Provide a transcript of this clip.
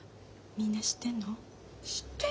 みんな知ってんの？